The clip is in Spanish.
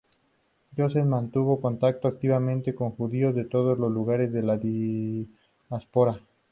Yosef mantuvo contacto activamente con Judíos de todos los lugares de la diáspora.